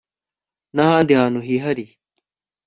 n'ahandi hantu hihariye